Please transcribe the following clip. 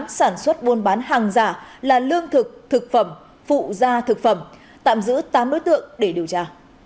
chuyên án sản xuất bôn bán hàng giả là lương thực thực phẩm phụ gia thực phẩm tạm giữ tám đối tượng để điều tra